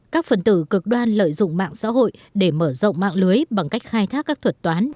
các phần tử cực đoan lợi dụng mạng xã hội để mở rộng mạng lưới bằng cách khai thác các thuật toán